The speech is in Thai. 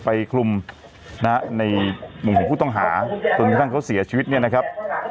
คลุมนะฮะในมุมของผู้ต้องหาจนกระทั่งเขาเสียชีวิตเนี่ยนะครับ